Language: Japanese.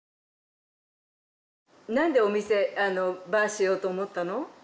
何でお店バーしようと思ったの？